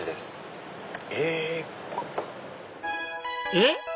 えっ？